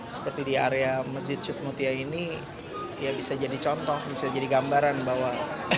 seperti di area masjid cutmutia ini ya bisa jadi contoh bisa jadi gambaran bahwa